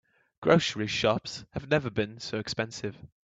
Grocery shops have never been so expensive.